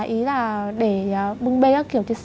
ý là để bưng bê các kiểu thiết xác